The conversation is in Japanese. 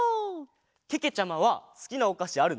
けけちゃまはすきなおかしあるの？